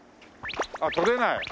あっ取れない。